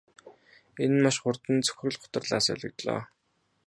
Энэ нь маш хурдан цөхрөл гутралаар солигдлоо.